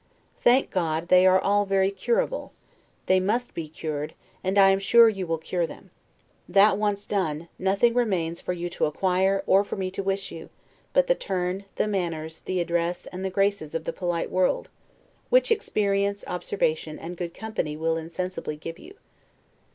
Thank God, they are all very curable; they must be cured, and I am sure, you will cure them. That once done, nothing remains for you to acquire, or for me to wish you, but the turn, the manners, the address, and the GRACES, of the polite world; which experience, observation, and good company; will insensibly give you.